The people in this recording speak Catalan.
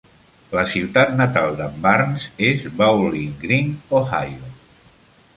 La ciutat natal d'en Barnes és Bowling Green, Ohio.